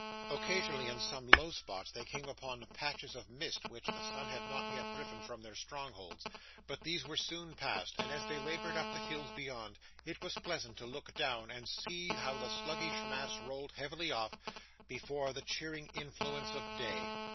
Occasionally, in some low spots they came upon patches of mist which the sun had not yet driven from their strongholds; but these were soon passed, and as they laboured up the hills beyond, it was pleasant to look down, and see how the sluggish mass rolled heavily off, before the cheering influence of day.